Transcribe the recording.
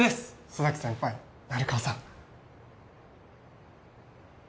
須崎先輩成川さん